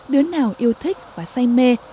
đứa nào yêu thích và say mê